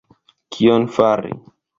Kion fari!